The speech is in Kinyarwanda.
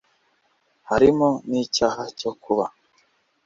harimo n'icyaha cyo kuba